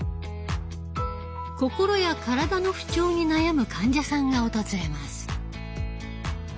心や体の不調に悩む患者さんが訪れます。